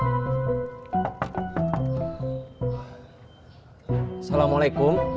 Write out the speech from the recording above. yang ini ada lagi